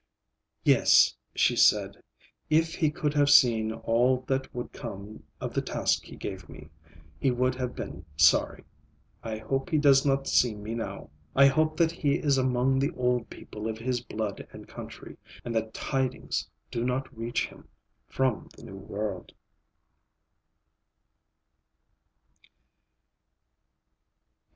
"Yes," she said, "if he could have seen all that would come of the task he gave me, he would have been sorry. I hope he does not see me now. I hope that he is among the old people of his blood and country, and that tidings do not reach him from the New World."